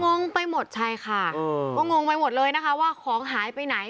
งงไปหมดใช่ค่ะก็งงไปหมดเลยนะคะว่าของหายไปไหน